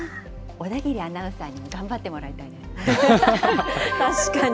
おだぎりアナウンサーにも頑張ってもらいたいですね。